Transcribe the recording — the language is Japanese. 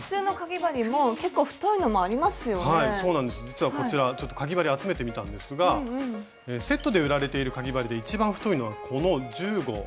実はこちらちょっとかぎ針集めてみたんですがセットで売られているかぎ針で一番太いのはこの１０／０号。